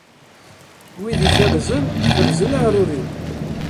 Wid ikerrzen, kerzen aɛrur-iw.